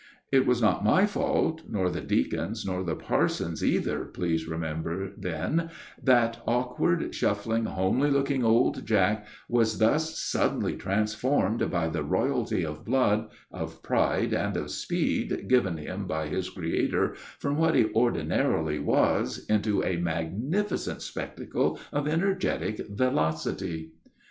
It was not my fault, nor the deacon's, nor the parson's either, please remember, then, that awkward, shuffling, homely looking old Jack was thus suddenly transformed, by the royalty of blood, of pride, and of speed given him by his Creator, from what he ordinarily was, into a magnificent spectacle of energetic velocity.